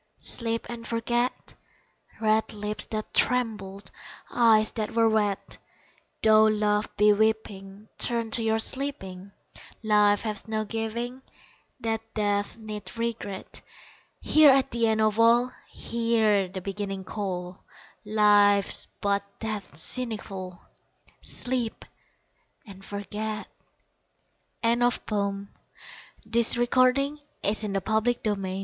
Sleep and forget Red lips that trembled Eyes that were wet Though love be weeping, Turn to your sleeping, Life has no giving That death need regret. Here at the end of all Hear the Beginning call, Life's but death's seneschal Sleep and forget! The Tyrant ONE comes with foot insistent